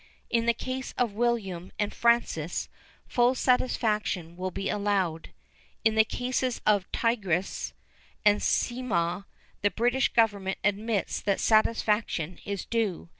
In the case of the William and Francis full satisfaction will be allowed. In the cases of the Tygris and Seamew the British Government admits that satisfaction is due.